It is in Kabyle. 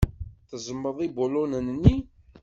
Tezmeḍ ibulunen-nni.